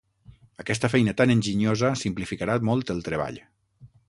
Aquesta feina tan enginyosa simplificarà molt el treball.